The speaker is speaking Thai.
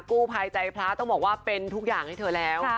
กู้ภัยใจพระต้องบอกว่าเป็นทุกอย่างให้เธอแล้ว